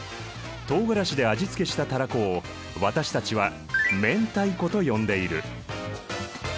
とうがらしで味付けしたタラコを私たちは明太子と呼んでいる。